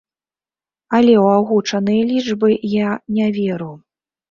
Але ў агучаныя лічбы я не веру.